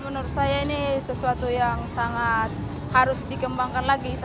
menurut saya ini sesuatu yang sangat harus dikembangkan lagi